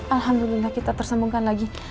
alhamdulillah kita tersembungkan lagi